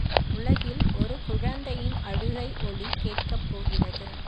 உலகில் ஒரு குழந்தையின் அழுகை ஒலி கேட்கப் போகிறது.